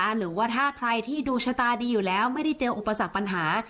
หรือว่าถ้าใครที่ดูชะตาดีอยู่แล้วไม่ได้เจออุปสรรคปัญหา